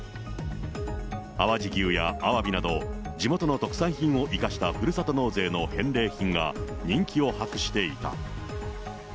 淡路牛やアワビなど、地元の特産品を生かしたふるさと納税の返礼品が人気を博していた。